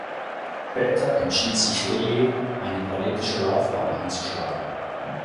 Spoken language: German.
Später entschied sich Lilley, eine politische Laufbahn einzuschlagen.